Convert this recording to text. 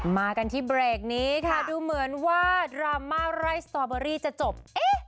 มากันที่เบรกนี้ค่ะดูเหมือนว่าดราม่าไร่สตอเบอรี่จะจบ